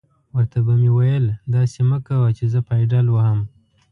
ور ته به مې ویل: داسې مه کوه چې زه پایډل وهم.